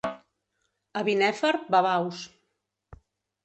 A Binèfar, babaus.